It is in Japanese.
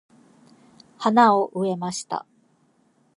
花を植えました。